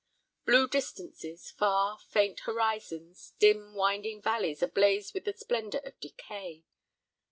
Blue distances, far, faint horizons, dim, winding valleys ablaze with the splendor of decay.